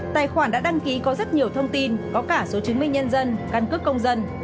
tài khoản đã đăng ký có rất nhiều thông tin có cả số chứng minh nhân dân căn cước công dân